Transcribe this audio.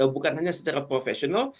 bukan hanya secara profesional